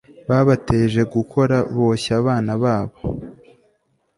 babateje gukora Boshya abana babo